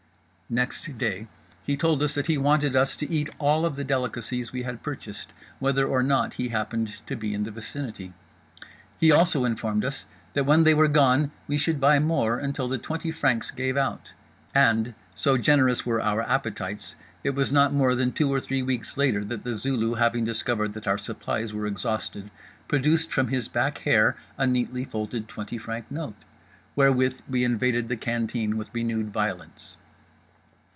Next day he told us that he wanted us to eat all of the delicacies we had purchased, whether or not he happened to be in the vicinity. He also informed us that when they were gone we should buy more until the twenty francs gave out. And, so generous were our appetites, it was not more than two or three weeks later that The Zulu having discovered that our supplies were exhausted produced from his back hair a neatly folded twenty franc note; wherewith we invaded the canteen with renewed violence.